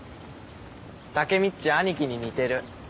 タケミっち兄貴に似てる。